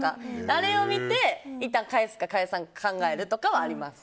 あれを見て、いったん返すか返さないか考えるとかはあります。